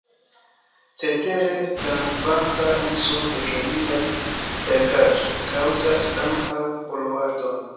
Cetere, grandkvanta uzo de kemia sterkaĵo kaŭzas ankaŭ poluadon.